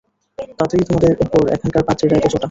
তাতেই তোমাদের উপর এখানকার পাদ্রীরা এত চটা।